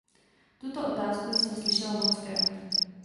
Tuto otázku jsem slyšela mnohokrát.